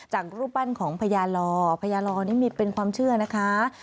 รูปปั้นของพญาลอพญาลอนี่เป็นความเชื่อนะคะ